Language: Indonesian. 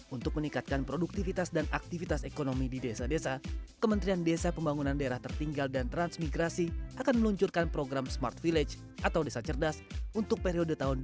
untuk meningkatkan produktivitas dan aktivitas ekonomi di desa desa kementerian desa pembangunan daerah tertinggal dan transmigrasi akan meluncurkan program smart village atau desa cerdas untuk periode tahun dua ribu dua puluh satu hingga dua ribu dua puluh empat